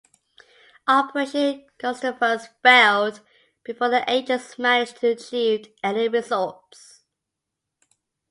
Operation Gustavus failed before the agents managed to achieve any results.